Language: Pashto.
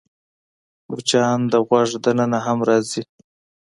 مچان د غوږ دننه هم راځي